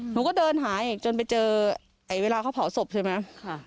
หนูก็เดินหายจนไปเจอไอเวลาเขาเผาศพใช่มั้ย